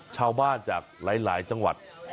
ชาวบ้านจากหลายจังหวัด